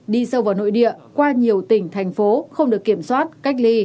đi sâu vào nội địa qua nhiều tỉnh thành phố không được kiểm soát cách ly